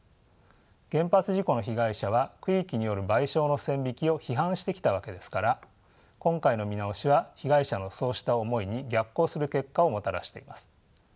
原発事故の被害者は区域による賠償の線引きを批判してきたわけですから今回の見直しは被害者のそうした思いに逆行する結果をもたらしています。